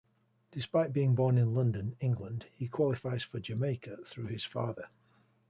Despite being born in London, England he qualifies for Jamaica through his father.